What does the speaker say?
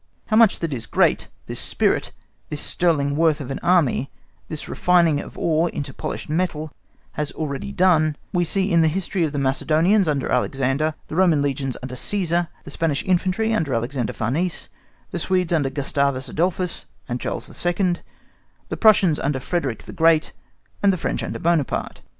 —How much that is great, this spirit, this sterling worth of an army, this refining of ore into the polished metal, has already done, we see in the history of the Macedonians under Alexander, the Roman legions under Cesar, the Spanish infantry under Alexander Farnese, the Swedes under Gustavus Adolphus and Charles XII, the Prussians under Frederick the Great, and the French under Buonaparte.